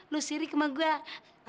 lo sirik sama gua